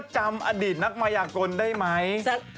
จำอดีตนักมายากลได้ไหม